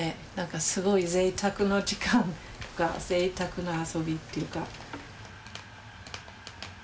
すごいぜいたくの時間ぜいたくな遊びっていうか。